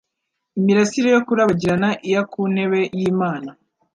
Imirasire yo kurabagirana iya ku ntebe y'Imana,